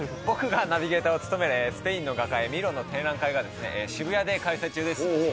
僕がナビゲーターを務めるスペインの画家ミロの展覧会が渋谷で開催中です。